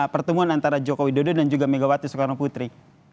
pertemuan antara jokowi dodo dan juga megawati soekarno putri